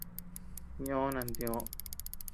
Ñoo nantioö.